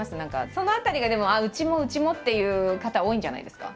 その辺りがでもうちもうちもっていう方多いんじゃないですか？